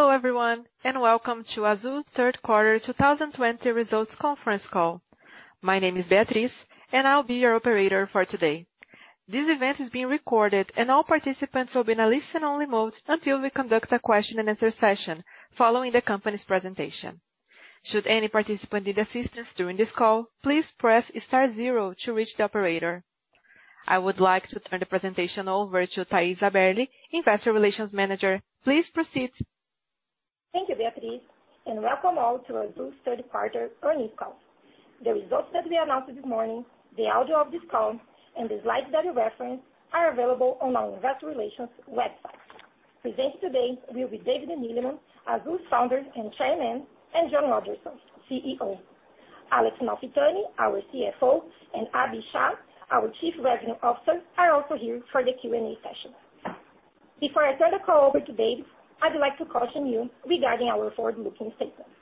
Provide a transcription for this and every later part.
Hello everyone, welcome to Azul's third quarter 2020 results conference call. My name is Beatrice, and I'll be your operator for today. This event is being recorded, and all participants will be in a listen only mode until we conduct a question and answer session following the company's presentation. Should any participant need assistance during this call, please press star zero to reach the operator. I would like to turn the presentation over to Thaís Haberli, investor relations manager. Please proceed. Thank you, Beatrice. Welcome all to Azul's third quarter earnings call. The results that we announced this morning, the audio of this call, and the slides that we reference are available on our investor relations website. Presenting today will be David Neeleman, Azul's Founder and Chairman, and John Rodgerson, CEO. Alex Malfitani, our CFO, and Abhi Shah, our Chief Revenue Officer, are also here for the Q&A session. Before I turn the call over to Dave, I'd like to caution you regarding our forward-looking statements.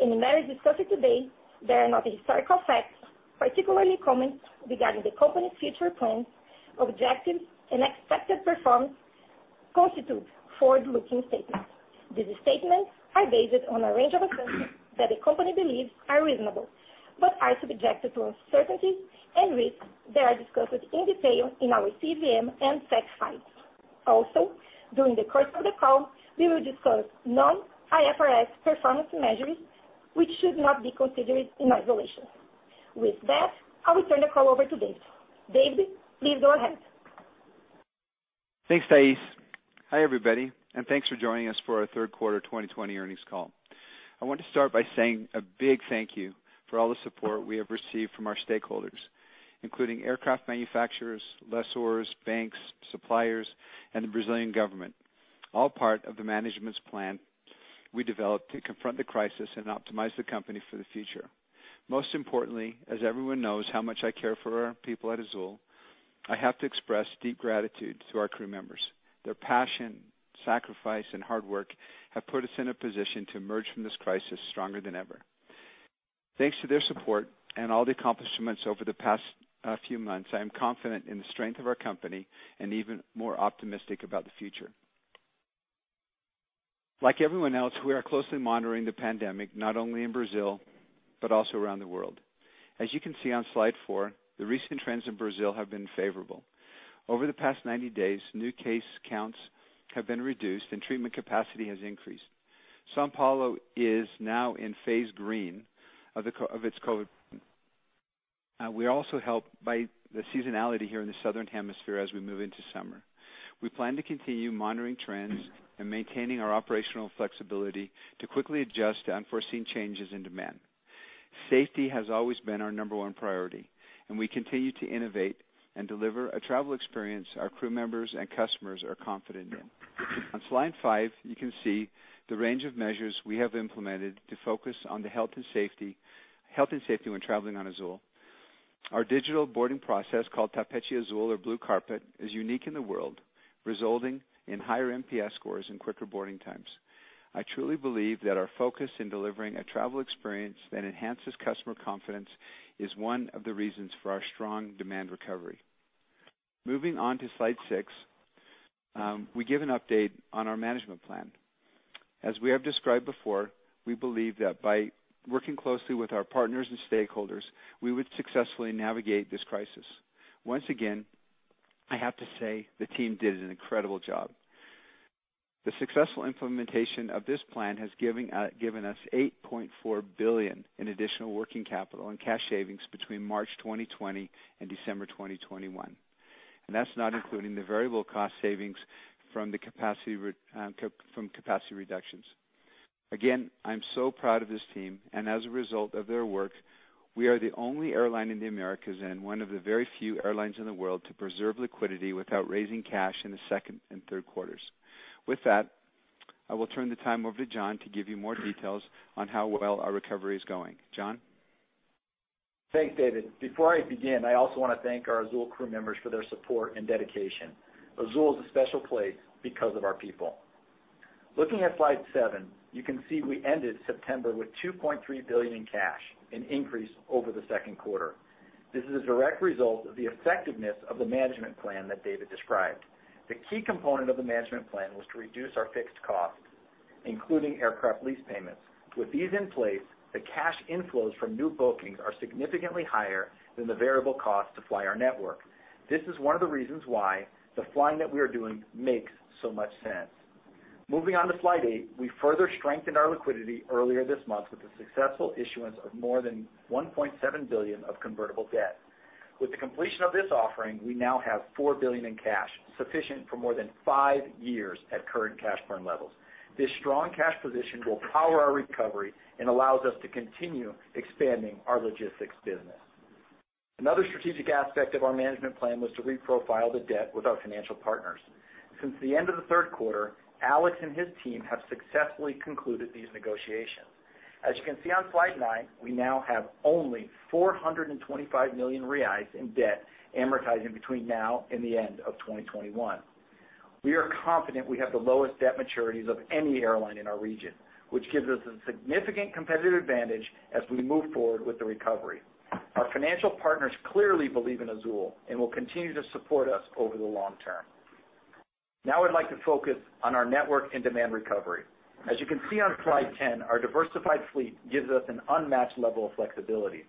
In the matters discussed today, there are no historical facts, particularly comments regarding the company's future plans, objectives, and expected performance constitute forward-looking statements. These statements are based on a range of assumptions that the company believes are reasonable, but are subjected to uncertainties and risks that are discussed in detail in our CVM and SEC filings. Also, during the course of the call, we will discuss non-IFRS performance measures, which should not be considered in isolation. With that, I will turn the call over to Dave. Dave, please go ahead. Thanks, Thaís. Hi everybody, and thanks for joining us for our third quarter 2020 earnings call. I want to start by saying a big thank you for all the support we have received from our stakeholders, including aircraft manufacturers, lessors, banks, suppliers, and the Brazilian government, all part of the management's plan we developed to confront the crisis and optimize the company for the future. Most importantly, as everyone knows how much I care for our people at Azul, I have to express deep gratitude to our crew members. Their passion, sacrifice, and hard work have put us in a position to emerge from this crisis stronger than ever. Thanks to their support and all the accomplishments over the past few months, I am confident in the strength of our company and even more optimistic about the future. Like everyone else, we are closely monitoring the pandemic, not only in Brazil, but also around the world. As you can see on slide four, the recent trends in Brazil have been favorable. Over the past 90 days, new case counts have been reduced, and treatment capacity has increased. São Paulo is now in phase green of its COVID. We are also helped by the seasonality here in the Southern Hemisphere as we move into summer. We plan to continue monitoring trends and maintaining our operational flexibility to quickly adjust to unforeseen changes in demand. Safety has always been our number one priority, and we continue to innovate and deliver a travel experience our crew members and customers are confident in. On slide five, you can see the range of measures we have implemented to focus on the health and safety when traveling on Azul. Our digital boarding process, called Tapete Azul, or blue carpet, is unique in the world, resulting in higher NPS scores and quicker boarding times. I truly believe that our focus in delivering a travel experience that enhances customer confidence is one of the reasons for our strong demand recovery. Moving on to slide six, we give an update on our management plan. As we have described before, we believe that by working closely with our partners and stakeholders, we would successfully navigate this crisis. Once again, I have to say the team did an incredible job. The successful implementation of this plan has given us BRL 8.4 billion in additional working capital and cash savings between March 2020 and December 2021, and that's not including the variable cost savings from capacity reductions. I'm so proud of this team, and as a result of their work, we are the only airline in the Americas and one of the very few airlines in the world to preserve liquidity without raising cash in the second and third quarters. With that, I will turn the time over to John to give you more details on how well our recovery is going. John? Thanks, David. Before I begin, I also want to thank our Azul crew members for their support and dedication. Azul is a special place because of our people. Looking at slide seven, you can see we ended September with 2.3 billion in cash, an increase over the second quarter. This is a direct result of the effectiveness of the management plan that David described. The key component of the management plan was to reduce our fixed costs, including aircraft lease payments. With these in place, the cash inflows from new bookings are significantly higher than the variable cost to fly our network. This is one of the reasons why the flying that we are doing makes so much sense. Moving on to slide eight, we further strengthened our liquidity earlier this month with the successful issuance of more than 1.7 billion of convertible debt. With the completion of this offering, we now have 4 billion in cash, sufficient for more than five years at current cash burn levels. This strong cash position will power our recovery and allows us to continue expanding our logistics business. Another strategic aspect of our management plan was to reprofile the debt with our financial partners. Since the end of the third quarter, Alex and his team have successfully concluded these negotiations. As you can see on slide nine, we now have only 425 million reais in debt amortizing between now and the end of 2021. We are confident we have the lowest debt maturities of any airline in our region, which gives us a significant competitive advantage as we move forward with the recovery. Our financial partners clearly believe in Azul and will continue to support us over the long term. Now I'd like to focus on our network and demand recovery. As you can see on slide 10, our diversified fleet gives us an unmatched level of flexibility.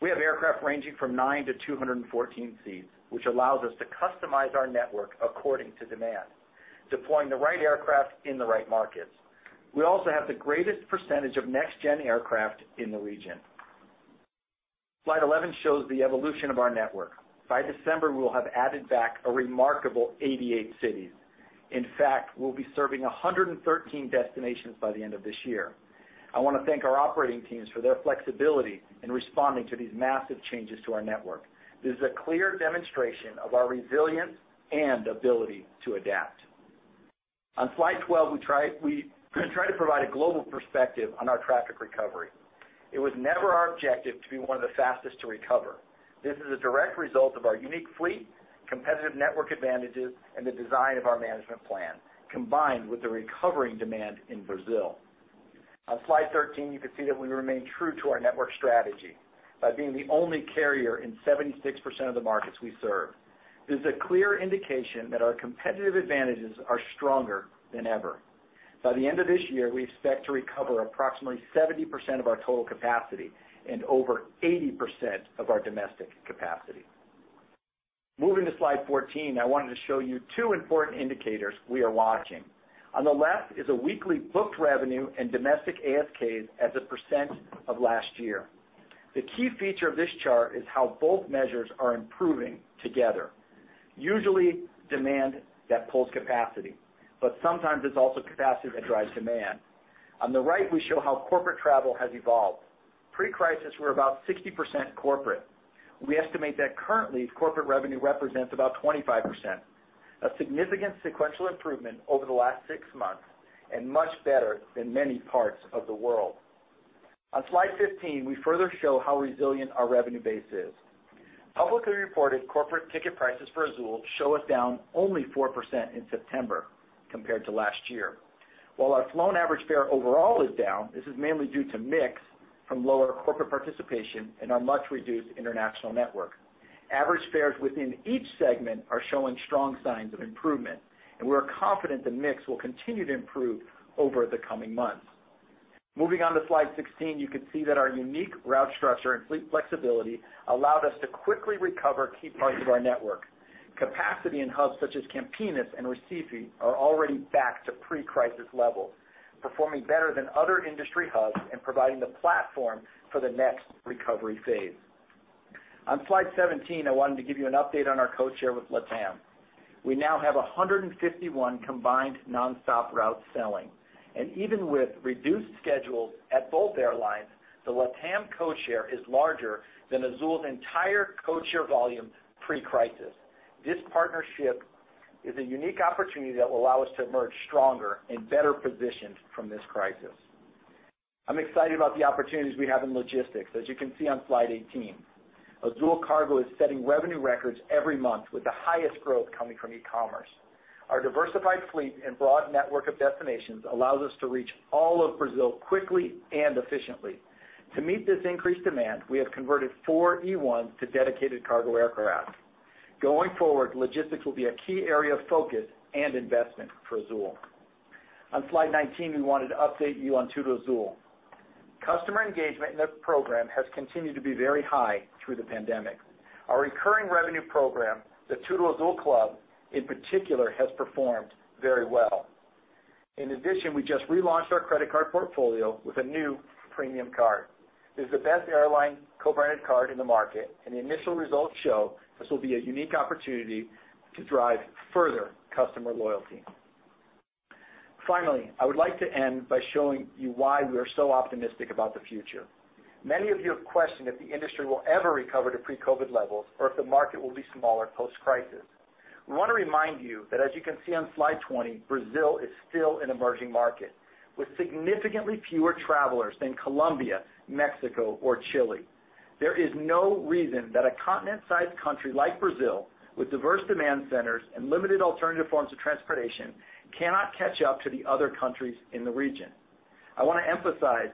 We have aircraft ranging from nine to 214 seats, which allows us to customize our network according to demand, deploying the right aircraft in the right markets. We also have the greatest percentage of next-gen aircraft in the region. Slide 11 shows the evolution of our network. By December, we will have added back a remarkable 88 cities. In fact, we'll be serving 113 destinations by the end of this year. I want to thank our operating teams for their flexibility in responding to these massive changes to our network. This is a clear demonstration of our resilience and ability to adapt. On slide 12, we try to provide a global perspective on our traffic recovery. It was never our objective to be one of the fastest to recover. This is a direct result of our unique fleet, competitive network advantages, and the design of our management plan, combined with the recovering demand in Brazil. On slide 13, you can see that we remain true to our network strategy by being the only carrier in 76% of the markets we serve. This is a clear indication that our competitive advantages are stronger than ever. By the end of this year, we expect to recover approximately 70% of our total capacity and over 80% of our domestic capacity. Moving to slide 14, I wanted to show you two important indicators we are watching. On the left is a weekly booked revenue and domestic ASKs as a percentage of last year. The key feature of this chart is how both measures are improving together. Usually, demand that pulls capacity, but sometimes it is also capacity that drives demand. On the right, we show how corporate travel has evolved. Pre-crisis, we are about 60% corporate. We estimate that currently, corporate revenue represents about 25%, a significant sequential improvement over the last six months and much better than many parts of the world. On slide 15, we further show how resilient our revenue base is. Publicly reported corporate ticket prices for Azul show us down only 4% in September compared to last year. While our flown average fare overall is down, this is mainly due to mix from lower corporate participation and our much-reduced international network. Average fares within each segment are showing strong signs of improvement, and we are confident the mix will continue to improve over the coming months. Moving on to slide 16, you can see that our unique route structure and fleet flexibility allowed us to quickly recover key parts of our network. Capacity in hubs such as Campinas and Recife are already back to pre-crisis levels, performing better than other industry hubs and providing the platform for the next recovery phase. On slide 17, I wanted to give you an update on our codeshare with LATAM. We now have 151 combined non-stop routes selling. Even with reduced schedules at both airlines, the LATAM codeshare is larger than Azul's entire codeshare volume pre-crisis. This partnership a unique opportunity that will allow us to emerge stronger and better positioned from this crisis. I'm excited about the opportunities we have in logistics, as you can see on slide 18. Azul Cargo is setting revenue records every month, with the highest growth coming from e-commerce. Our diversified fleet and broad network of destinations allows us to reach all of Brazil quickly and efficiently. To meet this increased demand, we have converted four E1 to dedicated cargo aircraft. Logistics will be a key area of focus and investment for Azul. On slide 19, we wanted to update you on TudoAzul. Customer engagement in the program has continued to be very high through the pandemic. Our recurring revenue program, the TudoAzul Club, in particular, has performed very well. We just relaunched our credit card portfolio with a new premium card. This is the best airline co-branded card in the market, and the initial results show this will be a unique opportunity to drive further customer loyalty. I would like to end by showing you why we are so optimistic about the future. Many of you have questioned if the industry will ever recover to pre-COVID levels or if the market will be smaller post-crisis. We want to remind you that, as you can see on slide 20, Brazil is still an emerging market, with significantly fewer travelers than Colombia, Mexico, or Chile. There is no reason that a continent-sized country like Brazil, with diverse demand centers and limited alternative forms of transportation, cannot catch up to the other countries in the region. I want to emphasize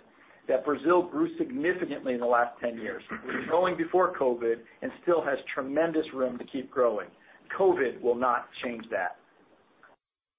that Brazil grew significantly in the last 10 years. It was growing before COVID and still has tremendous room to keep growing. COVID will not change that.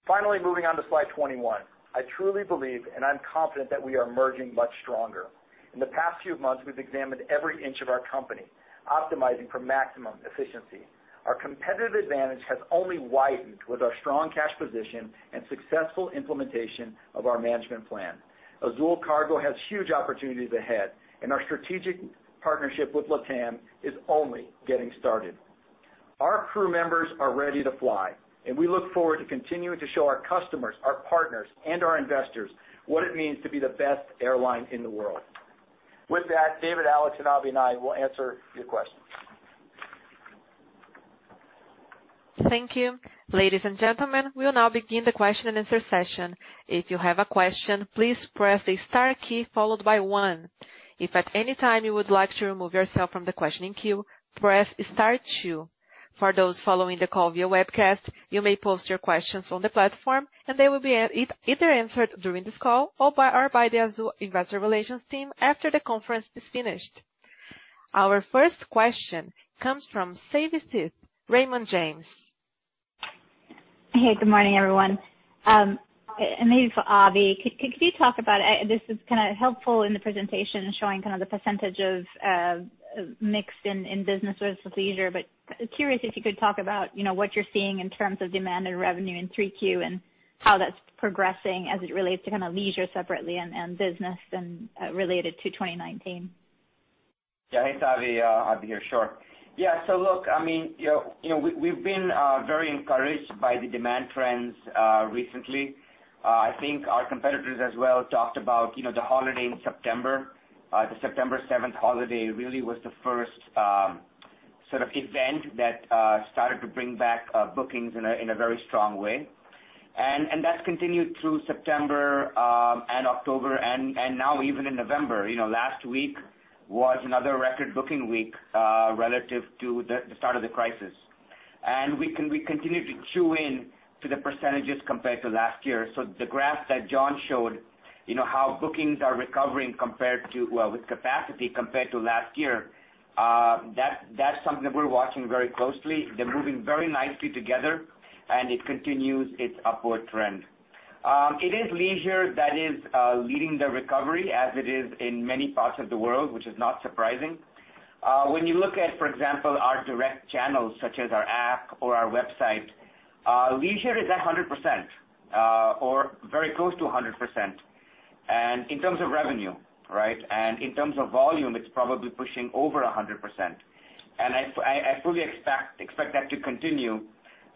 Finally, moving on to slide 21. I truly believe, and I'm confident that we are emerging much stronger. In the past few months, we've examined every inch of our company, optimizing for maximum efficiency. Our competitive advantage has only widened with our strong cash position and successful implementation of our management plan. Azul Cargo has huge opportunities ahead, and our strategic partnership with LATAM is only getting started. Our crew members are ready to fly, and we look forward to continuing to show our customers, our partners, and our investors what it means to be the best airline in the world. With that, David, Alex, Abhi, and I will answer your questions. Thank you. Ladies and gentlemen, we will now begin the question and answer session. If you have a question, please press the star key followed by one. If at any time you would like to remove yourself from the questioning queue, press star two. For those following the call via webcast, you may post your questions on the platform and they will be either answered during this call or by our Azul Investor Relations team after the conference is finished. Our first question comes from Savanthi Syth, Raymond James. Good morning, everyone. Maybe for Abhi. This is helpful in the presentation, showing the percentage of mixed in business with leisure. Curious if you could talk about what you're seeing in terms of demand and revenue in Q3 and how that's progressing as it relates to leisure separately and business and related to 2019. Hey, Savi. Abhi here. Sure. Look, we've been very encouraged by the demand trends recently. I think our competitors as well talked about the holiday in September, the September 7th holiday really was the first event that started to bring back bookings in a very strong way. That's continued through September and October and now even in November. Last week was another record booking week relative to the start of the crisis. We continue to chew into the percentages compared to last year. The graph that John showed, how bookings are recovering with capacity compared to last year, that's something that we're watching very closely. They're moving very nicely together, and it continues its upward trend. It is leisure that is leading the recovery as it is in many parts of the world, which is not surprising. When you look at, for example, our direct channels such as our app or our website, leisure is at 100%, or very close to 100%, in terms of revenue. In terms of volume, it's probably pushing over 100%. I fully expect that to continue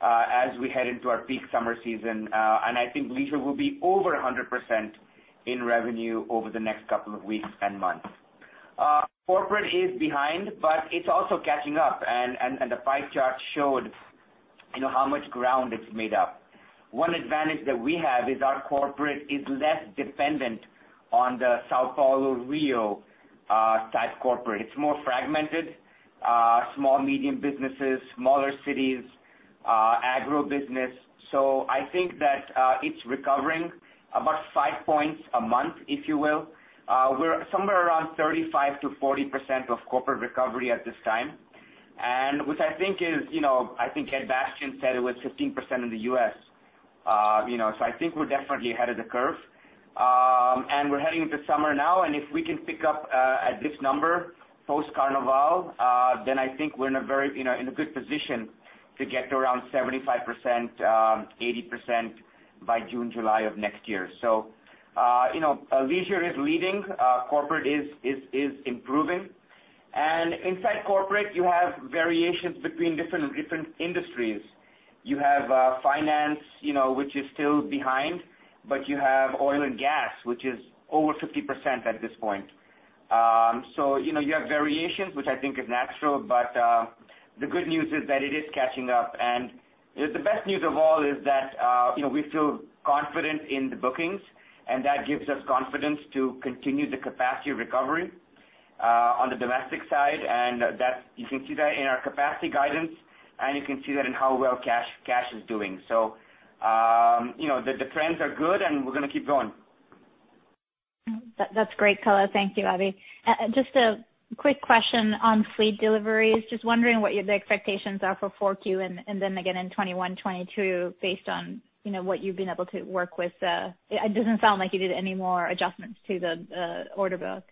as we head into our peak summer season. I think leisure will be over 100% in revenue over the next couple of weeks and months. Corporate is behind, but it's also catching up, and the pie chart showed how much ground it's made up. One advantage that we have is our corporate is less dependent on the São Paulo-Rio type corporate. It's more fragmented. Small, medium businesses, smaller cities, agribusiness. I think that it's recovering about five points a month, if you will. We're somewhere around 35%-40% of corporate recovery at this time. I think Ed Bastian said it was 15% in the U.S. I think we're definitely ahead of the curve. We're heading into summer now, and if we can pick up at this number post-Carnival, I think we're in a good position to get to around 75%, 80% by June, July of next year. Leisure is leading. Corporate is improving. Inside corporate, you have variations between different industries. You have finance which is still behind, but you have oil and gas, which is over 50% at this point. You have variations, which I think is natural, but the good news is that it is catching up. The best news of all is that we feel confident in the bookings, and that gives us confidence to continue the capacity recovery on the domestic side. You can see that in our capacity guidance, and you can see that in how well cash is doing. The trends are good, and we're going to keep going. That's great color. Thank you, Abhi. Just a quick question on fleet deliveries. Just wondering what the expectations are for Q4 and then again in 2021, 2022 based on what you've been able to work with. It doesn't sound like you did any more adjustments to the order book.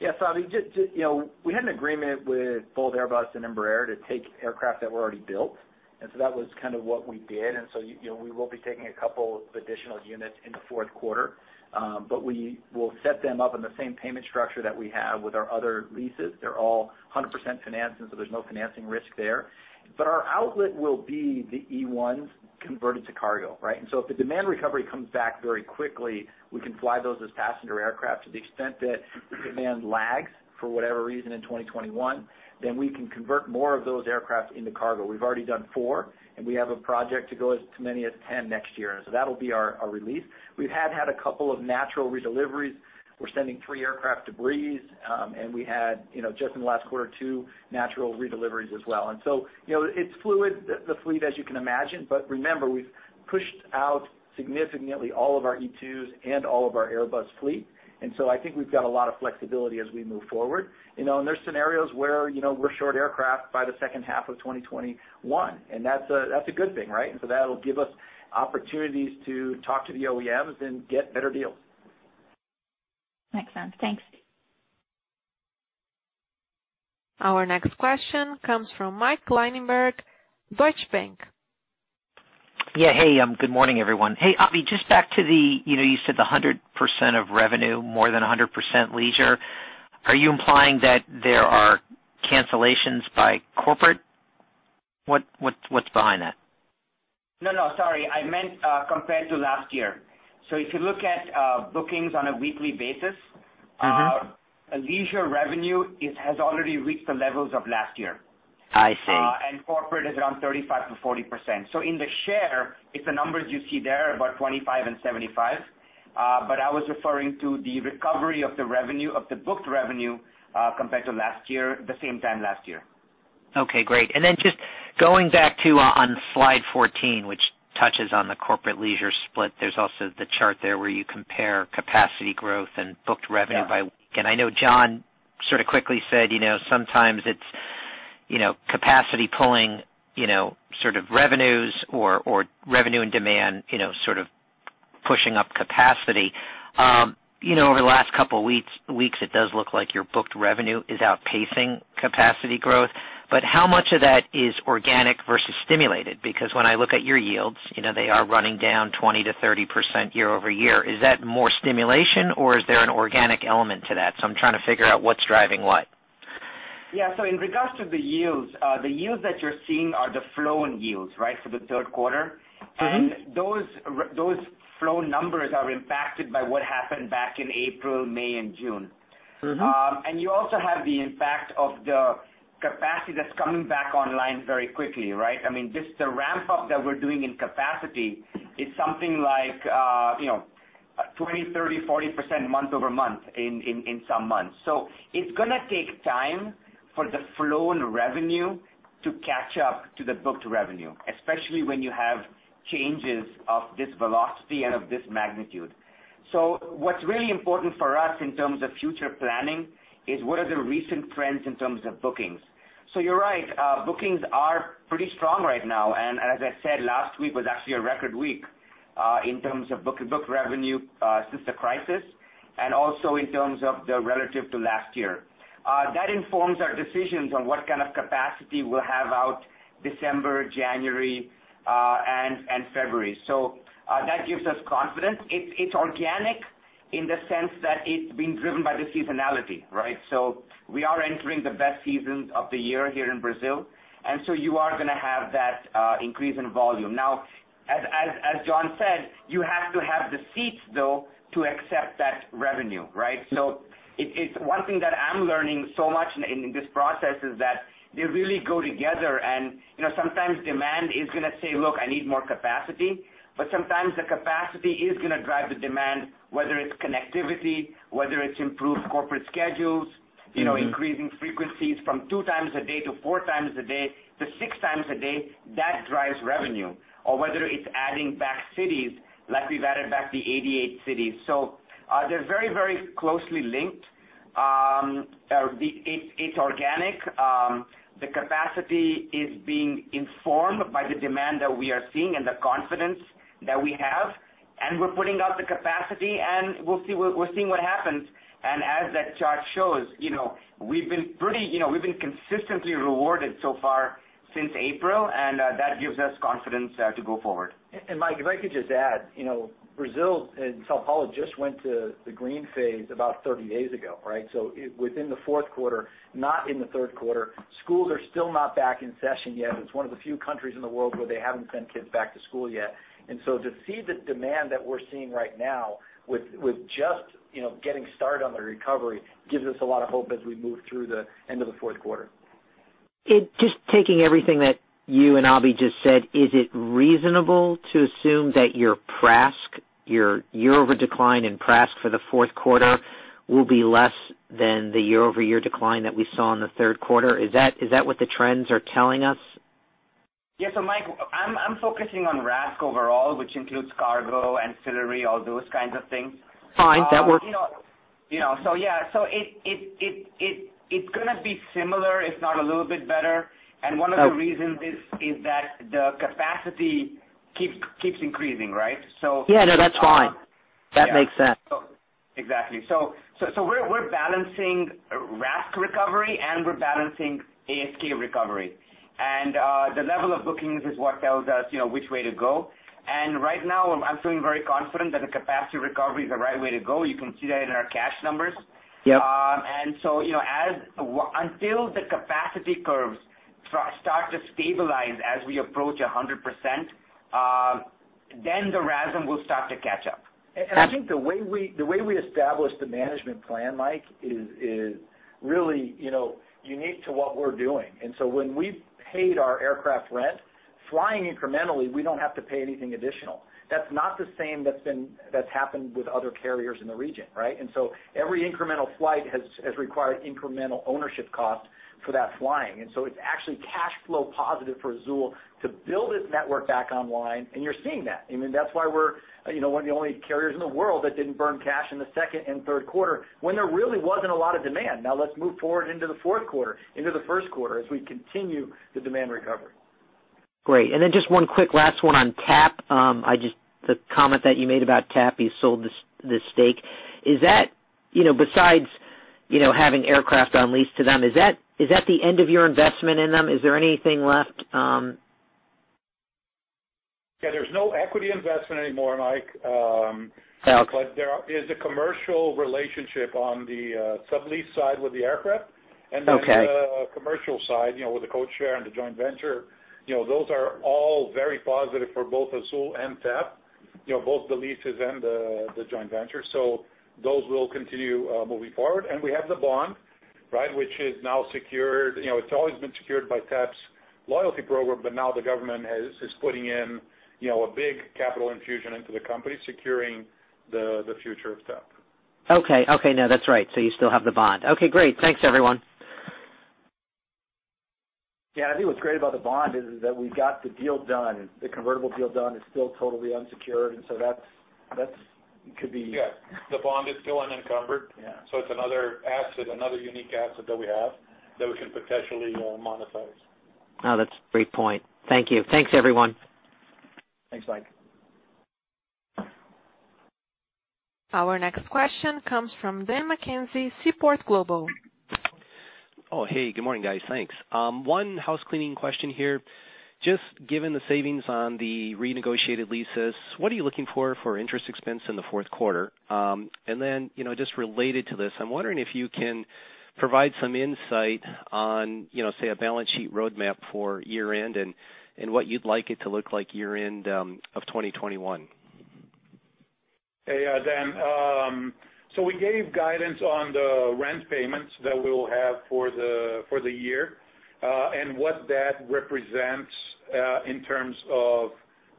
Yeah. Savi, we had an agreement with both Airbus and Embraer to take aircraft that were already built, that was what we did. We will be taking a couple of additional units in the fourth quarter. We will set them up in the same payment structure that we have with our other leases. They're all 100% financed, there's no financing risk there. Our outlet will be the E1s converted to cargo. Right? If the demand recovery comes back very quickly, we can fly those as passenger aircraft to the extent that the demand lags for whatever reason in 2021, we can convert more of those aircraft into cargo. We've already done four, and we have a project to go as to many as 10 next year. That'll be our release. We have had a couple of natural redeliveries. We're sending three aircraft to Breeze, and we had, just in the last quarter, two natural redeliveries as well. It's fluid, the fleet, as you can imagine. Remember, we've pushed out significantly all of our E2s and all of our Airbus fleet, I think we've got a lot of flexibility as we move forward. There's scenarios where we're short aircraft by the second half of 2021, and that's a good thing. Right? That'll give us opportunities to talk to the OEMs and get better deals. Makes sense. Thanks. Our next question comes from Michael Linenberg, Deutsche Bank. Yeah. Hey, good morning, everyone. Hey, Abhi, just back to the, you said 100% of revenue, more than 100% leisure. Are you implying that there are cancellations by corporate? What's behind that? No, sorry. I meant compared to last year. If you look at bookings on a weekly basis- leisure revenue has already reached the levels of last year. I see. Corporate is around 35%-40%. In the share, it's the numbers you see there, about 25% and 75%. I was referring to the recovery of the booked revenue compared to the same time last year. Okay, great. Just going back to on slide 14, which touches on the corporate leisure split, there's also the chart there where you compare capacity growth and booked revenue by week. I know John sort of quickly said, sometimes it's capacity pulling sort of revenues or revenue and demand, sort of pushing up capacity. Over the last couple of weeks, it does look like your booked revenue is outpacing capacity growth. How much of that is organic versus stimulated? Because when I look at your yields, they are running down 20%-30% year-over-year. Is that more stimulation or is there an organic element to that? I'm trying to figure out what's driving what. Yeah. In regards to the yields, the yields that you're seeing are the flown yields, right? The third quarter. Those flown numbers are impacted by what happened back in April, May, and June. You also have the impact of the capacity that's coming back online very quickly, right? I mean, just the ramp up that we're doing in capacity is something like 20%, 30%, 40% month-over-month in some months. It's going to take time for the flown revenue to catch up to the booked revenue, especially when you have changes of this velocity and of this magnitude. What's really important for us in terms of future planning is what are the recent trends in terms of bookings. You're right, bookings are pretty strong right now, and as I said, last week was actually a record week in terms of booked revenue since the crisis, and also in terms of the relative to last year. That informs our decisions on what kind of capacity we'll have out December, January, and February. That gives us confidence. It's organic in the sense that it's being driven by the seasonality, right? We are entering the best seasons of the year here in Brazil, and so you are going to have that increase in volume. Now, as John said, you have to have the seats, though, to accept that revenue, right? One thing that I'm learning so much in this process is that they really go together and sometimes demand is going to say, "Look, I need more capacity." Sometimes the capacity is going to drive the demand, whether it's connectivity, whether it's improved corporate schedules. increasing frequencies from two times a day to four times a day to six times a day. That drives revenue. Whether it's adding back cities, like we've added back the 88 cities. They're very closely linked. It's organic. The capacity is being informed by the demand that we are seeing and the confidence that we have, and we're putting out the capacity, and we're seeing what happens. As that chart shows, we've been consistently rewarded so far since April, and that gives us confidence to go forward. Mike, if I could just add. Brazil and São Paulo just went to the green phase about 30 days ago, right? Within the fourth quarter, not in the third quarter. Schools are still not back in session yet. It's one of the few countries in the world where they haven't sent kids back to school yet. To see the demand that we're seeing right now with just getting started on the recovery gives us a lot of hope as we move through the end of the fourth quarter. Just taking everything that you and Abhi just said, is it reasonable to assume that your PRASK, your year-over decline in PRASK for the fourth quarter, will be less than the year-over-year decline that we saw in the third quarter? Is that what the trends are telling us? Yeah. Mike, I'm focusing on RASK overall, which includes cargo, ancillary, all those kinds of things. Fine. That works. Yeah. It's going to be similar, if not a little bit better. One of the reasons is that the capacity keeps increasing, right? Yeah, no, that's fine. That makes sense. Exactly. We're balancing RASK recovery and we're balancing ASK recovery. The level of bookings is what tells us which way to go. Right now, I'm feeling very confident that the capacity recovery is the right way to go. You can see that in our cash numbers. Yep. Until the capacity curves start to stabilize as we approach 100%, the RASM will start to catch up. And- I think the way we established the management plan, Mike, is really unique to what we're doing. When we paid our aircraft rent, flying incrementally, we don't have to pay anything additional. That's not the same that's happened with other carriers in the region, right? Every incremental flight has required incremental ownership cost for that flying. It's actually cash flow positive for Azul to build its network back online. You're seeing that. I mean, that's why we're one of the only carriers in the world that didn't burn cash in the second and third quarter when there really wasn't a lot of demand. Let's move forward into the fourth quarter, into the first quarter, as we continue the demand recovery. Great. Just one quick last one on TAP. The comment that you made about TAP, you sold the stake. Besides having aircraft on lease to them, is that the end of your investment in them? Is there anything left? Yeah, there's no equity investment anymore, Mike. Okay. There is a commercial relationship on the sublease side with the aircraft. Okay The commercial side with the codeshare and the joint venture. Those are all very positive for both Azul and TAP, both the leases and the joint venture. Those will continue moving forward. We have the bond Which is now secured. It's always been secured by TAP's loyalty program, but now the government is putting in a big capital infusion into the company, securing the future of TAP. Okay. No, that's right. You still have the bond. Okay, great. Thanks, everyone. Yeah, I think what's great about the bond is that we got the deal done, the convertible deal done. It's still totally unsecured. Yeah. The bond is still unencumbered. Yeah. It's another asset, another unique asset that we have that we can potentially monetize. Oh, that's a great point. Thank you. Thanks, everyone. Thanks, Mike. Our next question comes from Dan McKenzie, Seaport Global. Oh, hey. Good morning, guys. Thanks. One housecleaning question here. Given the savings on the renegotiated leases, what are you looking for interest expense in the fourth quarter? Related to this, I'm wondering if you can provide some insight on, say, a balance sheet roadmap for year-end, and what you'd like it to look like year-end of 2021. Hey, Dan. We gave guidance on the rent payments that we'll have for the year, and what that represents in terms of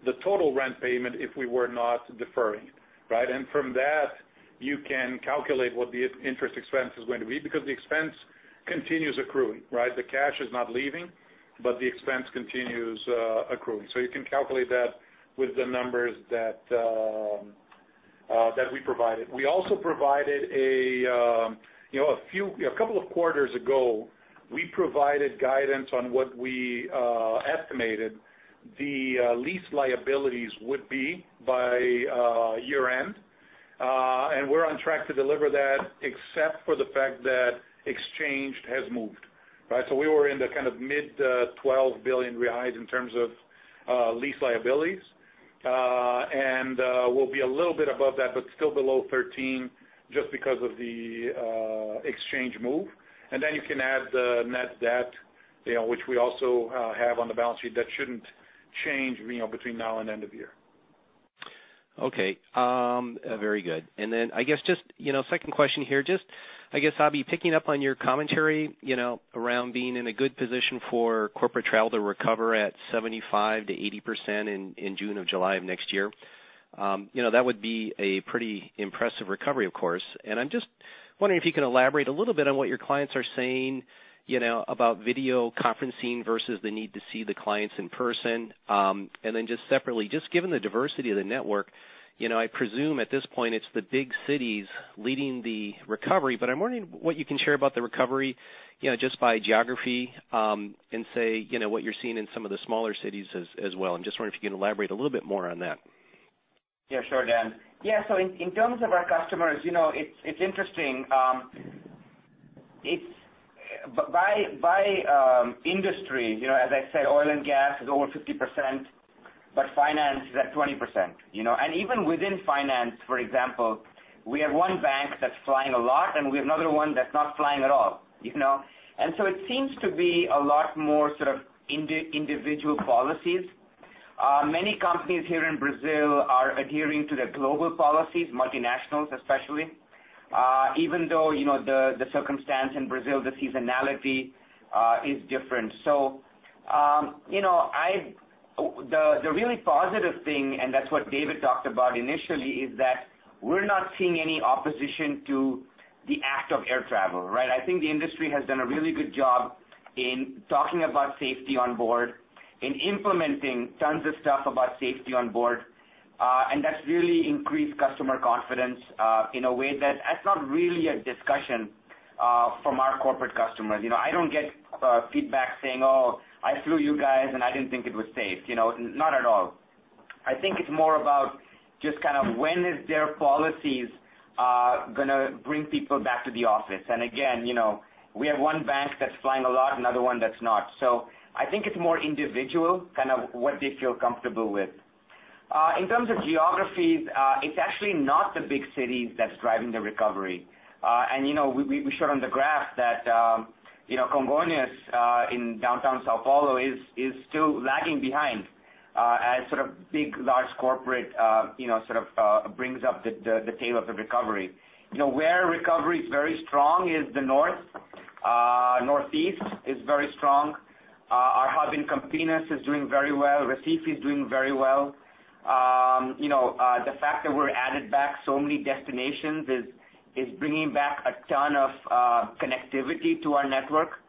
the total rent payment if we were not deferring it. Right? From that, you can calculate what the interest expense is going to be because the expense continues accruing, right? The cash is not leaving, but the expense continues accruing. You can calculate that with the numbers that we provided. A couple of quarters ago, we provided guidance on what we estimated the lease liabilities would be by year-end. We're on track to deliver that, except for the fact that exchange has moved. Right? We were in the kind of mid 12 billion reais in terms of lease liabilities. We'll be a little bit above that, but still below 13 billion, just because of the exchange move. You can add the net debt, which we also have on the balance sheet. That shouldn't change between now and end of year. Okay. Very good. I guess just second question here, just I guess, Abhi, picking up on your commentary around being in a good position for corporate travel to recover at 75%-80% in June or July of next year. That would be a pretty impressive recovery, of course. I'm just wondering if you can elaborate a little bit on what your clients are saying about video conferencing versus the need to see the clients in person. Just separately, just given the diversity of the network, I presume at this point it's the big cities leading the recovery, but I'm wondering what you can share about the recovery just by geography, and say what you're seeing in some of the smaller cities as well, and just wondering if you can elaborate a little bit more on that. Yeah, sure, Dan. In terms of our customers, it's interesting. By industry, as I said, oil and gas is over 50%, but finance is at 20%. Even within finance, for example, we have one bank that's flying a lot, and we have another one that's not flying at all. It seems to be a lot more sort of individual policies. Many companies here in Brazil are adhering to the global policies, multinationals especially, even though the circumstance in Brazil, the seasonality is different. The really positive thing, and that's what David talked about initially, is that we're not seeing any opposition to the act of air travel, right? I think the industry has done a really good job in talking about safety on board, in implementing tons of stuff about safety on board. That's really increased customer confidence in a way that that's not really a discussion from our corporate customers. I don't get feedback saying, "Oh, I flew you guys, and I didn't think it was safe." Not at all. I think it's more about just kind of when is their policies going to bring people back to the office. Again, we have one bank that's flying a lot, another one that's not. I think it's more individual, kind of what they feel comfortable with. In terms of geographies, it's actually not the big cities that's driving the recovery. We showed on the graph that Congonhas in downtown São Paulo is still lagging behind as sort of big, large corporate brings up the tail of the recovery. Where recovery is very strong is the North. Northeast is very strong. Our hub in Campinas is doing very well. Recife is doing very well. The fact that we've added back so many destinations is bringing back a ton of connectivity to our network.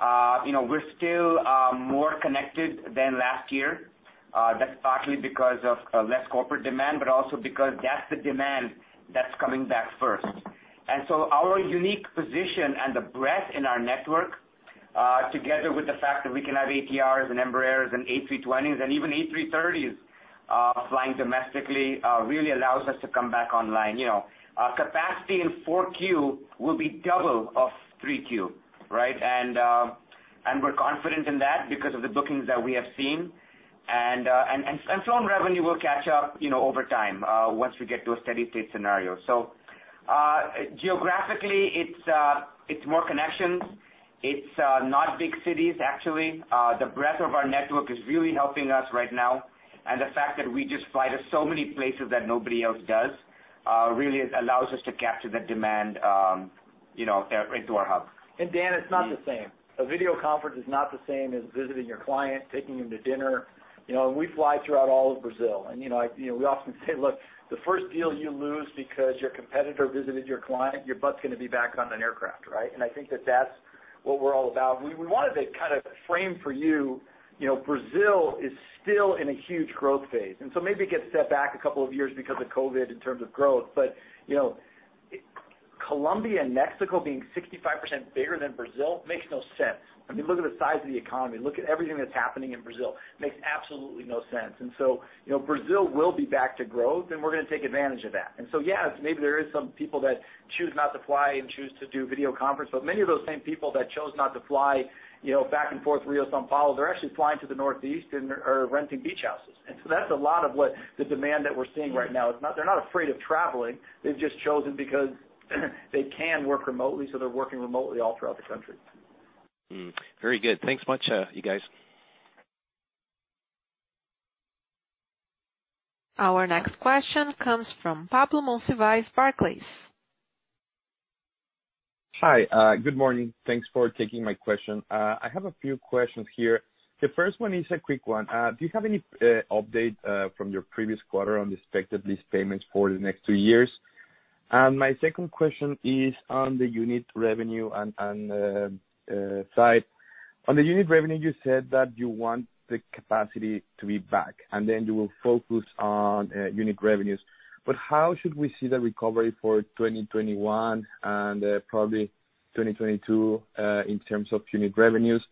We're still more connected than last year. That's partly because of less corporate demand, but also because that's the demand that's coming back first. Our unique position and the breadth in our network, together with the fact that we can have ATRs and Embraers and A320s and even A330s flying domestically really allows us to come back online. Capacity in 4Q will be double of 3Q, right? We're confident in that because of the bookings that we have seen. Our revenue will catch up over time once we get to a steady state scenario. Geographically, it's more connections. It's not big cities, actually. The breadth of our network is really helping us right now, and the fact that we just fly to so many places that nobody else does, really allows us to capture the demand into our hub. Dan, it's not the same. A video conference is not the same as visiting your client, taking him to dinner. We fly throughout all of Brazil. We often say, "Look, the first deal you lose because your competitor visited your client, your butt's going to be back on an aircraft." Right? I think that's what we're all about. We wanted to kind of frame for you, Brazil is still in a huge growth phase. Maybe it gets set back a couple of years because of COVID in terms of growth, but Colombia and Mexico being 65% bigger than Brazil makes no sense. I mean, look at the size of the economy. Look at everything that's happening in Brazil. Makes absolutely no sense. Brazil will be back to growth, and we're going to take advantage of that. Yes, maybe there is some people that choose not to fly and choose to do video conference, but many of those same people that chose not to fly back and forth Rio, São Paulo, they're actually flying to the Northeast and are renting beach houses. That's a lot of what the demand that we're seeing right now. They're not afraid of traveling. They've just chosen because they can work remotely, so they're working remotely all throughout the country. Very good. Thanks much, you guys. Our next question comes from Pablo Monsivais, Barclays. Hi. Good morning. Thanks for taking my question. I have a few questions here. The first one is a quick one. Do you have any update from your previous quarter on expected lease payments for the next two years? My second question is on the unit revenue side. On the unit revenue, you said that you want the capacity to be back, then you will focus on unit revenues. How should we see the recovery for 2021 and probably 2022, in terms of unit revenues?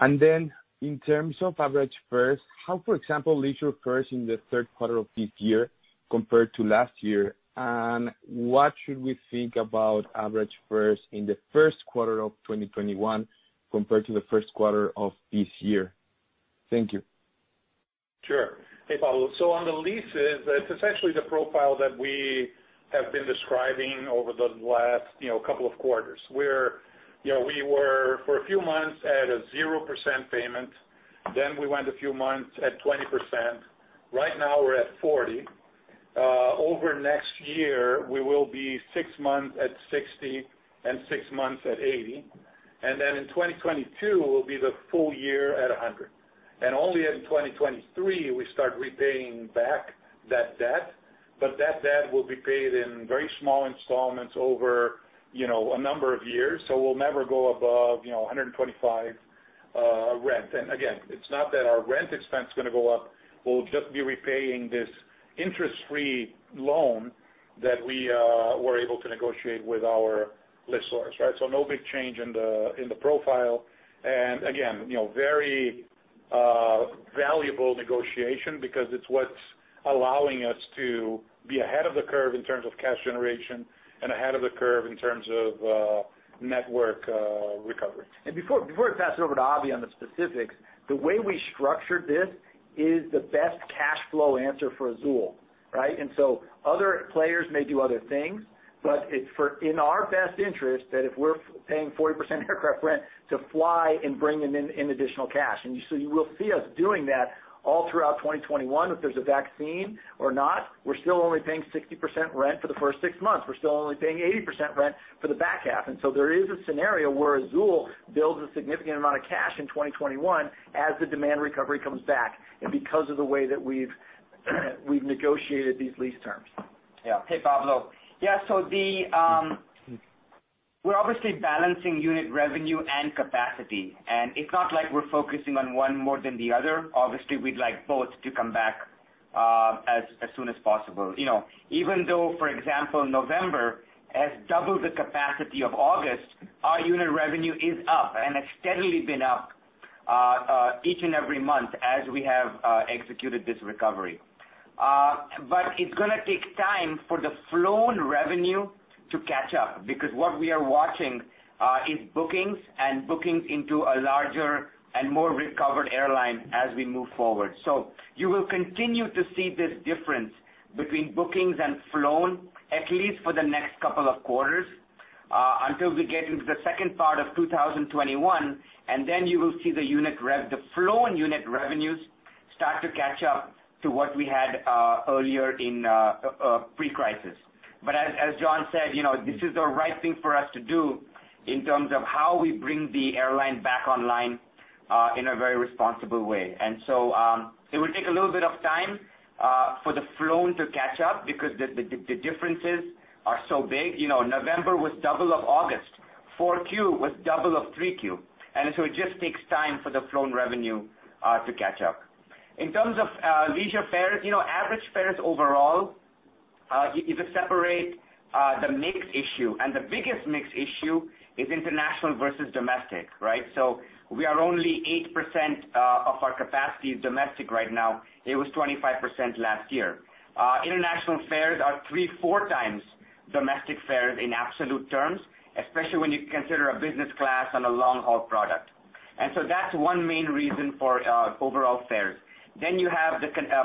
Then in terms of average fares, how, for example, leisure fares in the third quarter of this year compared to last year, and what should we think about average fares in the first quarter of 2021 compared to the first quarter of this year? Thank you. Sure. Hey, Pablo. On the leases, it's essentially the profile that we have been describing over the last couple of quarters, where we were, for a few months, at a 0% payment, then we went a few months at 20%. Right now, we're at 40%. Over next year, we will be six months at 60% and six months at 80%. In 2022 will be the full year at 100%. Only in 2023, we start repaying back that debt. That debt will be paid in very small installments over a number of years. We'll never go above 125% rent. Again, it's not that our rent expense is going to go up. We'll just be repaying this interest-free loan that we were able to negotiate with our lessors, right? No big change in the profile. Again, very valuable negotiation because it's what's allowing us to be ahead of the curve in terms of cash generation and ahead of the curve in terms of network recovery. Before I pass it over to Abhi on the specifics, the way we structured this is the best cash flow answer for Azul, right? Other players may do other things, but it's in our best interest that if we're paying 40% aircraft rent to fly and bring in additional cash. You will see us doing that all throughout 2021. If there's a vaccine or not, we're still only paying 60% rent for the first six months. We're still only paying 80% rent for the back half. There is a scenario where Azul builds a significant amount of cash in 2021 as the demand recovery comes back, and because of the way that we've negotiated these lease terms. Yeah. Hey, Pablo. Yeah, we're obviously balancing unit revenue and capacity, and it's not like we're focusing on one more than the other. Obviously, we'd like both to come back as soon as possible. Even though, for example, November has double the capacity of August, our unit revenue is up, and it's steadily been up each and every month as we have executed this recovery. It's going to take time for the flown revenue to catch up because what we are watching is bookings and bookings into a larger and more recovered airline as we move forward. You will continue to see this difference between bookings and flown at least for the next couple of quarters, until we get into the second part of 2021, and then you will see the flown unit revenues start to catch up to what we had earlier in pre-crisis. As John said, this is the right thing for us to do in terms of how we bring the airline back online in a very responsible way. It will take a little bit of time for the flown to catch up because the differences are so big. November was double of August. Four Q was double of three Q. It just takes time for the flown revenue to catch up. In terms of leisure fares, average fares overall, you could separate the mix issue, and the biggest mix issue is international versus domestic, right? Only 8% of our capacity is domestic right now. It was 25% last year. International fares are three, four times domestic fares in absolute terms, especially when you consider a business class on a long-haul product. That's one main reason for overall fares. You have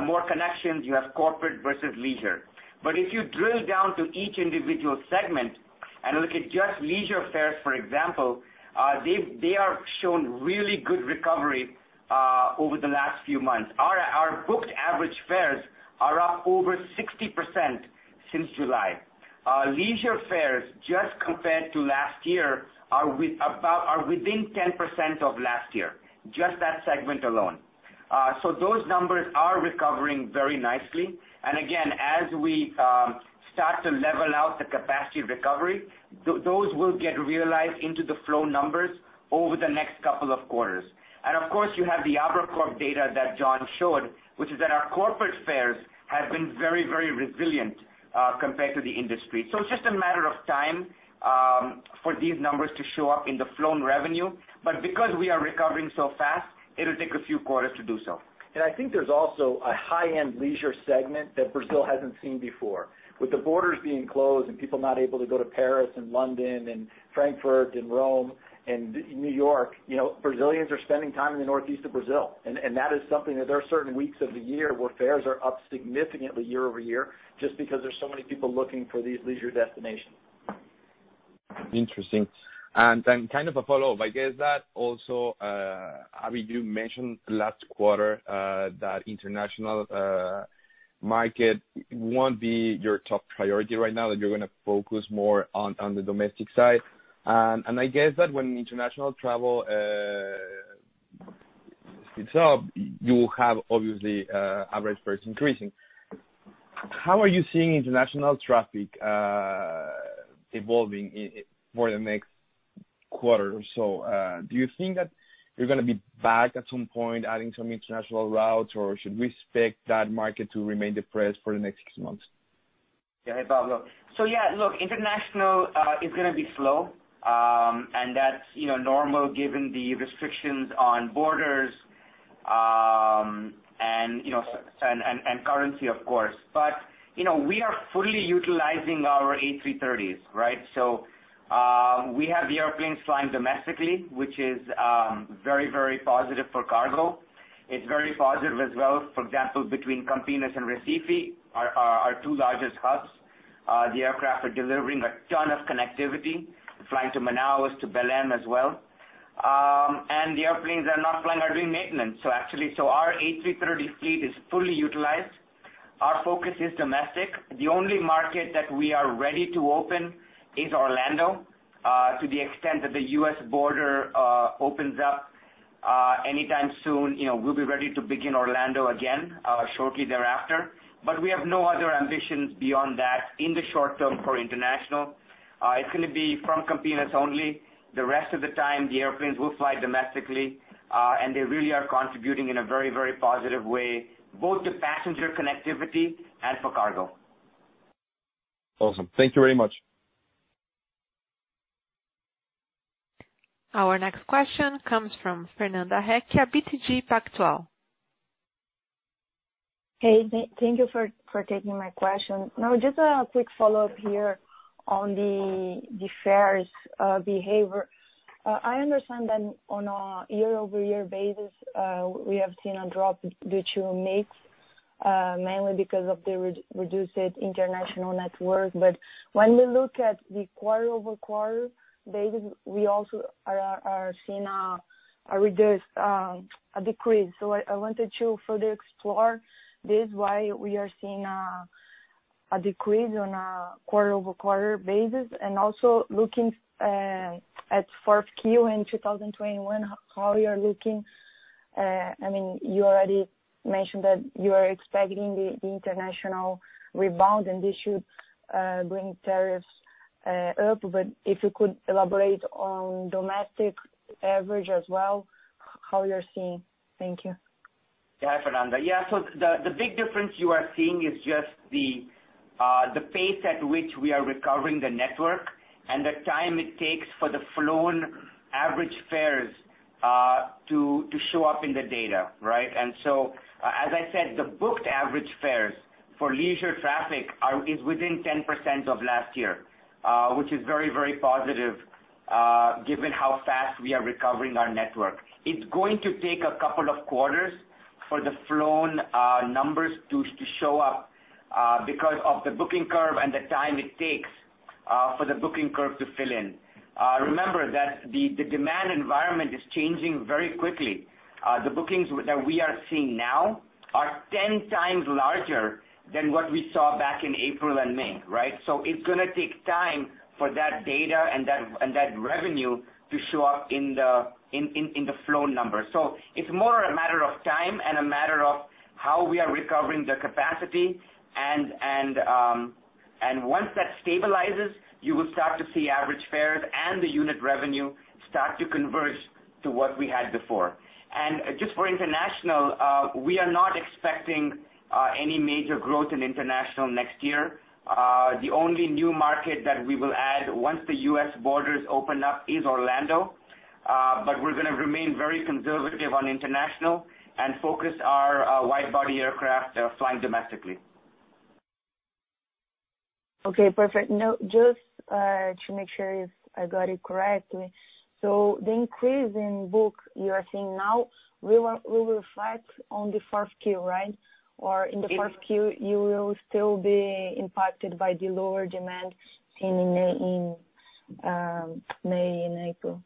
more connections, you have corporate versus leisure. If you drill down to each individual segment and look at just leisure fares, for example, they have shown really good recovery over the last few months. Our booked average fares are up over 60% since July. Leisure fares just compared to last year are within 10% of last year, just that segment alone. Those numbers are recovering very nicely. Again, as we start to level out the capacity recovery, those will get realized into the flow numbers over the next couple of quarters. Of course, you have the ABRACORP data that John showed, which is that our corporate fares have been very resilient compared to the industry. It's just a matter of time for these numbers to show up in the flown revenue. Because we are recovering so fast, it will take a few quarters to do so. I think there's also a high-end leisure segment that Brazil hasn't seen before. With the borders being closed and people not able to go to Paris and London and Frankfurt and Rome and New York, Brazilians are spending time in the Northeast of Brazil. That is something that there are certain weeks of the year where fares are up significantly year-over-year, just because there's so many people looking for these leisure destinations. Interesting. Then kind of a follow-up, I guess that also, you mentioned last quarter that international market won't be your top priority right now, that you're going to focus more on the domestic side. I guess that when international travel speeds up, you will have obviously average fares increasing. How are you seeing international traffic evolving for the next quarter or so? Do you think that you're going to be back at some point adding some international routes, or should we expect that market to remain depressed for the next six months? Yeah. Hey, Pablo. Yeah, look, international is going to be slow, and that's normal given the restrictions on borders and currency, of course. We are fully utilizing our A330s, right? We have the airplanes flying domestically, which is very positive for cargo. It's very positive as well, for example, between Campinas and Recife, our two largest hubs. The aircraft are delivering a ton of connectivity, flying to Manaus, to Belém as well. The airplanes that are not flying are doing maintenance. Actually, our A330 fleet is fully utilized. Our focus is domestic. The only market that we are ready to open is Orlando. To the extent that the U.S. border opens up anytime soon, we'll be ready to begin Orlando again shortly thereafter. We have no other ambitions beyond that in the short term for international. It's going to be from Campinas only. The rest of the time, the airplanes will fly domestically, and they really are contributing in a very positive way, both to passenger connectivity and for cargo. Awesome. Thank you very much. Our next question comes from Fernanda Recchia, BTG Pactual. Hey, thank you for taking my question. Just a quick follow-up here on the fares behavior. I understand that on a year-over-year basis, we have seen a drop due to mix, mainly because of the reduced international network. When we look at the quarter-over-quarter basis, we also are seeing a decrease. I wanted to further explore this, why we are seeing a decrease on a quarter-over-quarter basis, and also looking at fourth Q in 2021, how you're looking. You already mentioned that you are expecting the international rebound, and this should bring tariffs up, but if you could elaborate on domestic average as well, how you're seeing. Thank you. Fernanda. The big difference you are seeing is just the pace at which we are recovering the network and the time it takes for the flown average fares to show up in the data, right. As I said, the booked average fares for leisure traffic is within 10% of last year, which is very positive given how fast we are recovering our network. It's going to take a couple of quarters for the flown numbers to show up because of the booking curve and the time it takes for the booking curve to fill in. Remember that the demand environment is changing very quickly. The bookings that we are seeing now are 10x larger than what we saw back in April and May, right. It's going to take time for that data and that revenue to show up in the flow numbers. It's more a matter of time and a matter of how we are recovering the capacity. Once that stabilizes, you will start to see average fares and the unit revenue start to converge to what we had before. Just for international, we are not expecting any major growth in international next year. The only new market that we will add once the U.S. borders open up is Orlando. We're going to remain very conservative on international and focus our wide-body aircraft flying domestically. Okay, perfect. Just to make sure if I got it correctly. The increase in book you are seeing now will reflect on the fourth Q, right? In the fourth Q, you will still be impacted by the lower demand seen in May and April?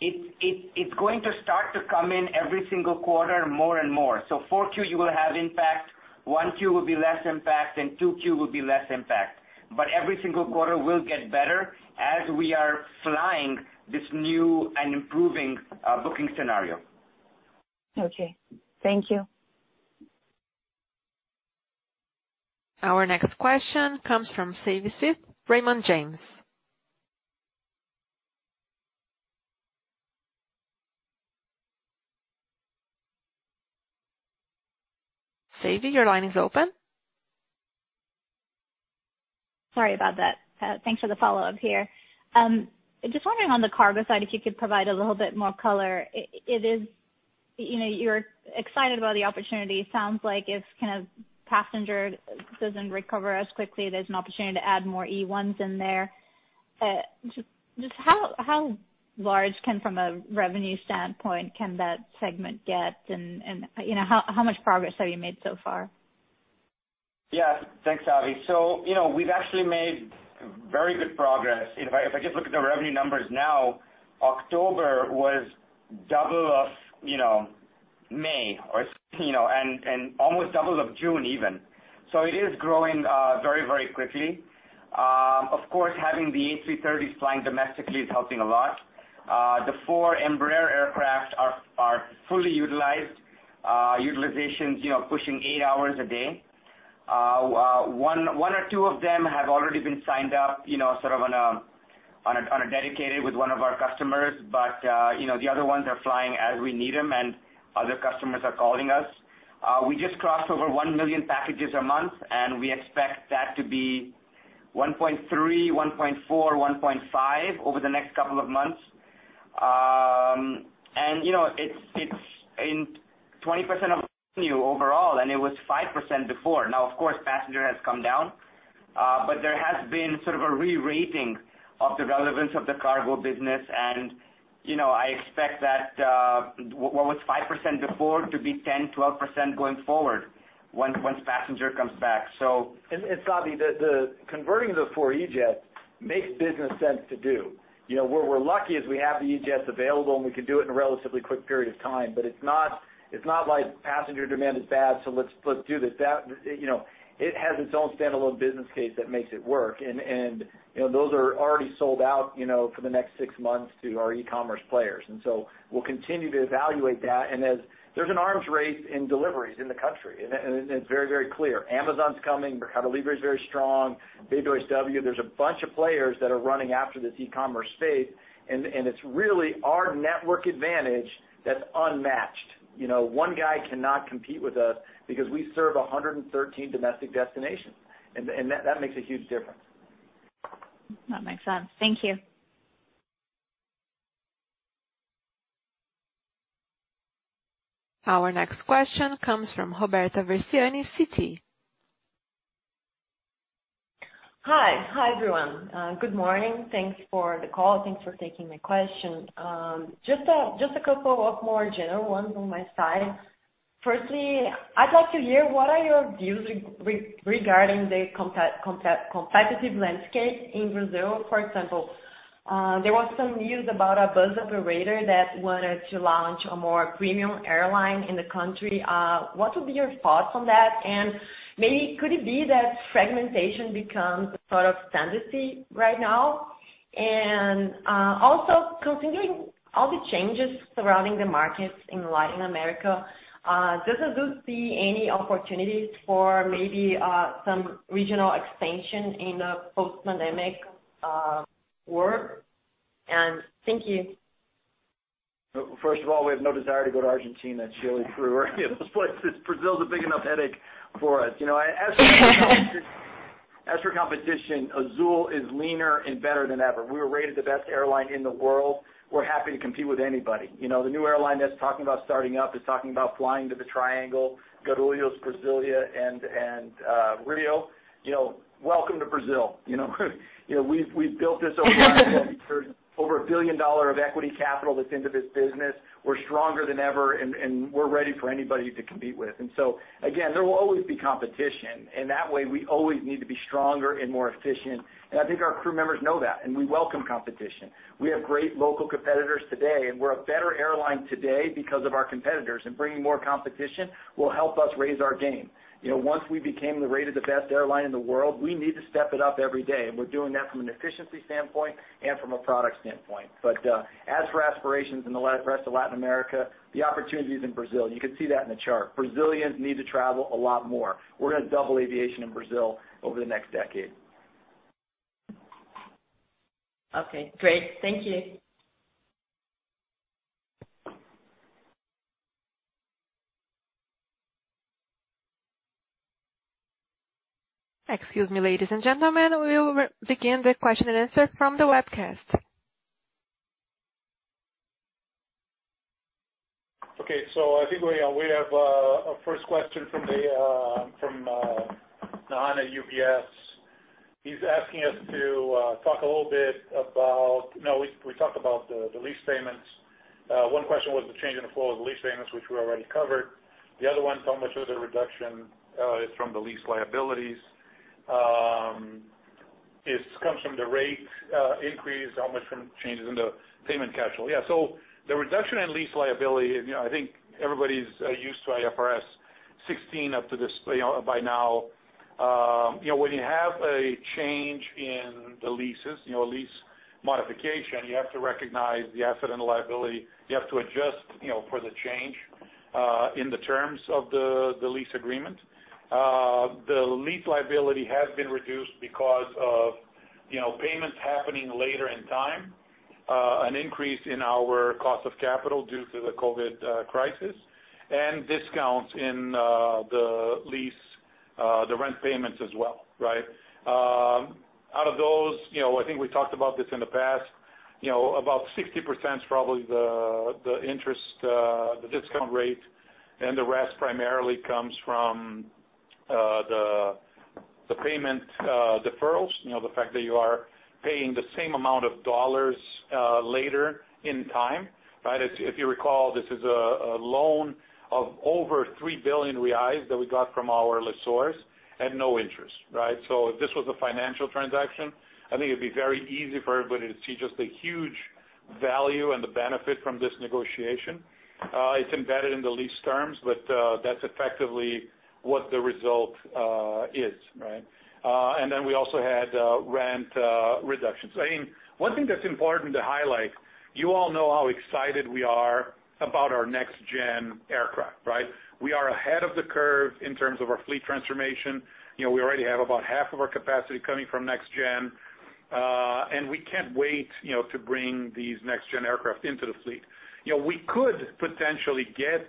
It's going to start to come in every single quarter more and more. 4Q, you will have impact. 1Q will be less impact, 2Q will be less impact. Every single quarter will get better as we are flying this new and improving booking scenario. Okay. Thank you. Our next question comes from Savi Syth, Raymond James. Savi, your line is open. Sorry about that. Thanks for the follow-up here. Just wondering on the cargo side, if you could provide a little bit more color. You're excited about the opportunity. It sounds like if passenger doesn't recover as quickly, there's an opportunity to add more E1s in there. Just how large, from a revenue standpoint, can that segment get and how much progress have you made so far? Yeah. Thanks, Savi. We've actually made very good progress. If I just look at the revenue numbers now, October was double of May, and almost double of June even. It is growing very quickly. Of course, having the A330s flying domestically is helping a lot. The four Embraer aircraft are fully utilized. Utilization is pushing eight hours a day. One or two of them have already been signed up on a dedicated with one of our customers, but the other ones are flying as we need them, and other customers are calling us. We just crossed over 1 million packages a month, and we expect that to be 1.3, 1.4, 1.5 over the next couple of months. And it's in 20% of revenue overall, and it was 5% before. Now, of course, passenger has come down, but there has been sort of a re-rating of the relevance of the cargo business, and I expect that what was 5% before to be 10%-12% going forward once passenger comes back. Savi, converting the four E-Jets makes business sense to do. Where we're lucky is we have the E-Jets available, and we can do it in a relatively quick period of time. It's not like passenger demand is bad, so let's do this. It has its own standalone business case that makes it work, and those are already sold out for the next six months to our e-commerce players. We'll continue to evaluate that. There's an arms race in deliveries in the country, and it's very clear. Amazon's coming. Mercado Livre is very strong. B2W. There's a bunch of players that are running after this e-commerce space, and it's really our network advantage that's unmatched. One guy cannot compete with us because we serve 113 domestic destinations, and that makes a huge difference. That makes sense. Thank you. Our next question comes from Stephen Trent, Citi. Hi, everyone. Good morning. Thanks for the call. Thanks for taking my question. Just a couple of more general ones on my side. Firstly, I'd like to hear what are your views regarding the competitive landscape in Brazil, for example. There was some news about a bus operator that wanted to launch a more premium airline in the country. What would be your thoughts on that? Maybe could it be that fragmentation becomes a sort of tendency right now? Also considering all the changes surrounding the markets in Latin America, does Azul see any opportunities for maybe some regional expansion in a post-pandemic world? Thank you. First of all, we have no desire to go to Argentina and Chile, Peru, or any of those places. Brazil is a big enough headache for us. As for competition, Azul is leaner and better than ever. We were rated the best airline in the world. We're happy to compete with anybody. The new airline that's talking about starting up is talking about flying to the triangle, Guarulhos, Brasilia, and Rio. Welcome to Brazil. We've built this over BRL 1 billion of equity capital that's into this business. We're stronger than ever, and we're ready for anybody to compete with. Again, there will always be competition, and that way we always need to be stronger and more efficient, and I think our crew members know that, and we welcome competition. We have great local competitors today, and we're a better airline today because of our competitors. Bringing more competition will help us raise our game. Once we became rated the best airline in the world, we need to step it up every day, and we're doing that from an efficiency standpoint and from a product standpoint. As for aspirations in the rest of Latin America, the opportunity is in Brazil. You can see that in the chart. Brazilians need to travel a lot more. We're going to double aviation in Brazil over the next decade. Okay, great. Thank you. Excuse me, ladies and gentlemen, we will begin the question and answer from the webcast. I think we have our first question from Nahian, UBS. He's asking us to talk a little bit about We talked about the lease payments. One question was the change in the flow of the lease payments, which we already covered. The other one, how much of the reduction is from the lease liabilities. This comes from the rate increase, how much from changes in the payment cash flow. Yeah. The reduction in lease liability, I think everybody's used to IFRS 16 by now. When you have a change in the leases, a lease modification, you have to recognize the asset and the liability. You have to adjust for the change in the terms of the lease agreement. The lease liability has been reduced because of payments happening later in time, an increase in our cost of capital due to the COVID crisis, and discounts in the rent payments as well. Right? Out of those, I think we talked about this in the past, about 60% is probably the discount rate, and the rest primarily comes from the payment deferrals. The fact that you are paying the same amount of dollars later in time. Right? If you recall, this is a loan of over 3 billion reais that we got from our lessors at no interest. Right? If this was a financial transaction, I think it'd be very easy for everybody to see just the huge value and the benefit from this negotiation. It's embedded in the lease terms, but that's effectively what the result is. Right? We also had rent reductions. One thing that's important to highlight, you all know how excited we are about our next-gen aircraft. Right? We are ahead of the curve in terms of our fleet transformation. We already have about half of our capacity coming from next-gen, and we can't wait to bring these next-gen aircraft into the fleet. We could potentially get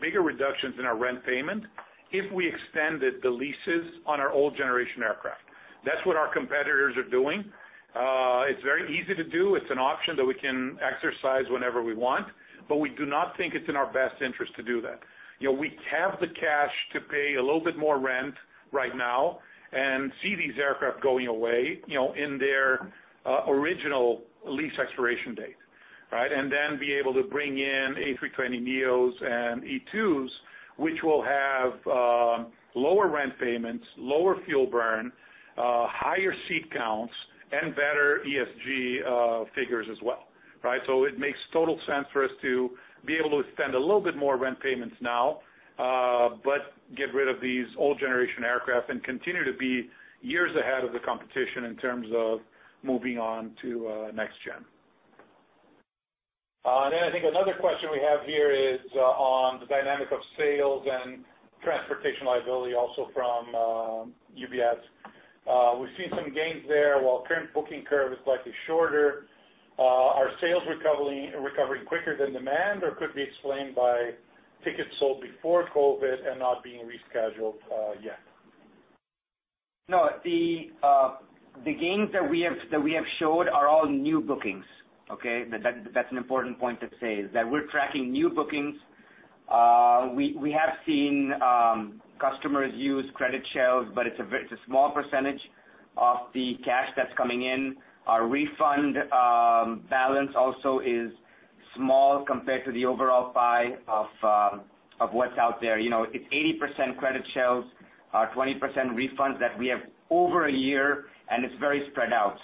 bigger reductions in our rent payment if we extended the leases on our old generation aircraft. That's what our competitors are doing. It's very easy to do. It's an option that we can exercise whenever we want, but we do not think it's in our best interest to do that. We have the cash to pay a little bit more rent right now and see these aircraft going away in their original lease expiration date. Right? Be able to bring in A320neos and E2s, which will have lower rent payments, lower fuel burn, higher seat counts, and better ESG figures as well. Right? It makes total sense for us to be able to spend a little bit more rent payments now, but get rid of these old generation aircraft and continue to be years ahead of the competition in terms of moving on to next-gen. I think another question we have here is on the dynamic of sales and transportation liability also from UBS. We've seen some gains there while current booking curve is slightly shorter. Are sales recovering quicker than demand, or could be explained by tickets sold before COVID and not being rescheduled yet? No. The gains that we have showed are all new bookings. Okay? That's an important point to say, is that we're tracking new bookings. We have seen customers use credit shells, but it's a very small percentage of the cash that's coming in. Our refund balance also is small compared to the overall pie of what's out there. It's 80% credit shells, 20% refunds that we have over a year, and it's very spread out.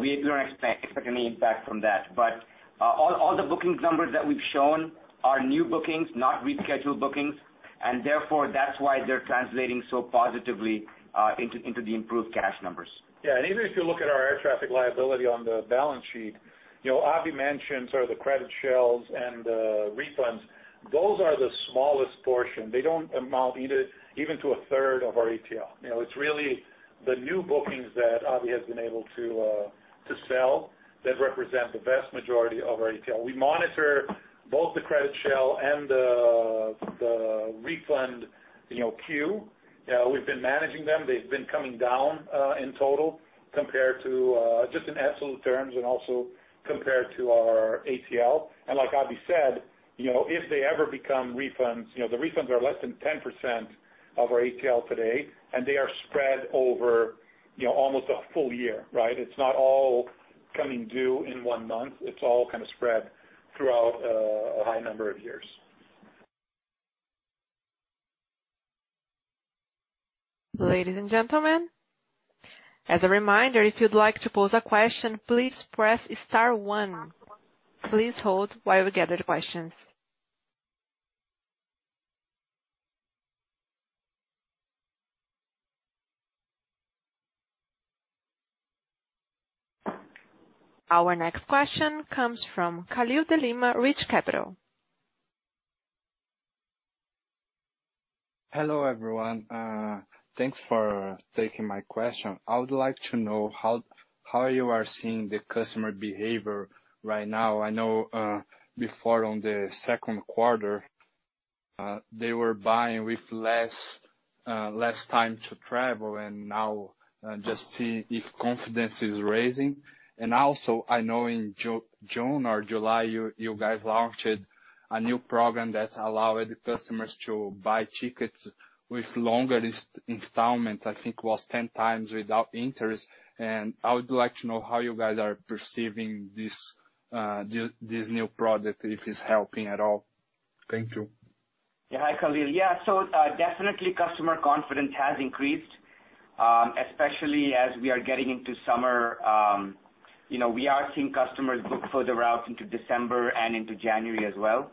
We don't expect any impact from that. All the bookings numbers that we've shown are new bookings, not rescheduled bookings, and therefore, that's why they're translating so positively into the improved cash numbers. Even if you look at our Air Traffic Liability on the balance sheet, Abhi mentioned sort of the credit shells and the refunds. Those are the smallest portion. They don't amount even to a third of our ATL. It's really the new bookings that Abhi has been able to sell that represent the vast majority of our ATL. We monitor both the credit shell and the refund queue. We've been managing them. They've been coming down in total just in absolute terms and also compared to our ATL. Like Abhi said, if they ever become refunds, the refunds are less than 10% of our ATL today, and they are spread over almost a full year. Right? It's not all coming due in one month. It's all kind of spread throughout a high number of years. Our next question comes from Michael Linenberg, Deutsche Bank. Hello, everyone. Thanks for taking my question. I would like to know how you are seeing the customer behavior right now. I know before, on the second quarter. They were buying with less time to travel and now just see if confidence is rising. I know in June or July, you guys launched a new program that allowed customers to buy tickets with longer installments, I think it was 10x without interest. I would like to know how you guys are perceiving this new product, if it's helping at all. Thank you. Hi, Khalil. Definitely customer confidence has increased, especially as we are getting into summer. We are seeing customers book further out into December and into January as well.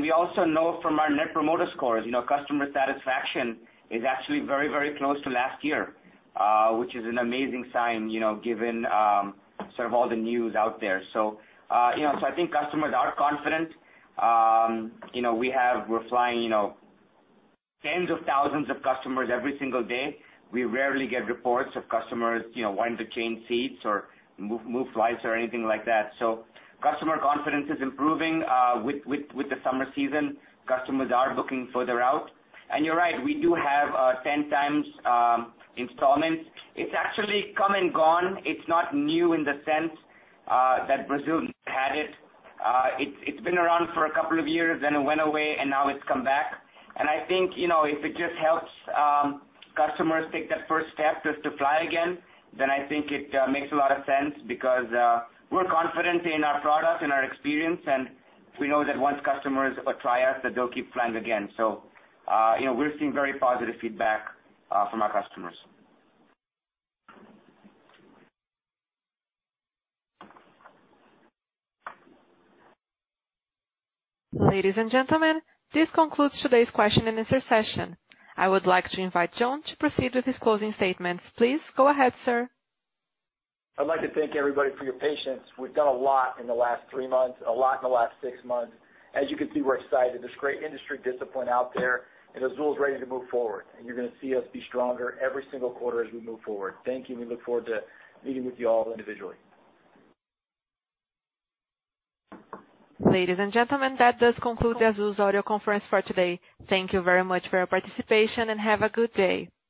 We also know from our Net Promoter cores, customer satisfaction is actually very close to last year, which is an amazing sign, given sort of all the news out there. I think customers are confident. We're flying tens of thousands of customers every single day. We rarely get reports of customers wanting to change seats or move flights or anything like that. Customer confidence is improving, with the summer season, customers are booking further out. You're right, we do have 10 times installments. It's actually come and gone. It's not new in the sense that Brazil had it. It's been around for a couple of years, then it went away, and now it's come back. I think, if it just helps customers take that first step just to fly again, then I think it makes a lot of sense because we're confident in our product and our experience, and we know that once customers try us, that they'll keep flying again. We're seeing very positive feedback from our customers. Ladies and gentlemen, this concludes today's question and answer session. I would like to invite John to proceed with his closing statements. Please go ahead, sir. I'd like to thank everybody for your patience. We've done a lot in the last three months, a lot in the last six months. As you can see, we're excited. There's great industry discipline out there, and Azul is ready to move forward, and you're going to see us be stronger every single quarter as we move forward. Thank you, and we look forward to meeting with you all individually. Ladies and gentlemen, that does conclude the Azul's audio conference for today. Thank you very much for your participation, and have a good day.